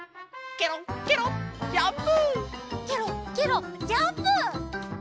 ケロッケロッジャンプ！